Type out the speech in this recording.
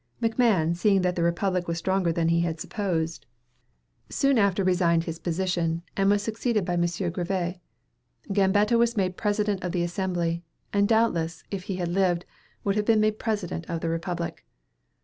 MacMahon seeing that the Republic was stronger than he had supposed, soon after resigned his position, and was succeeded by M. Grevy. Gambetta was made President of the Assembly, and doubtless, if he had lived, would have been made President of the Republic.